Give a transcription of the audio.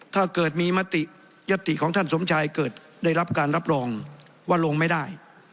ถ้าเกิดมีมติยติของท่านสมชายเกิดได้รับการรับรองว่าลงไม่ได้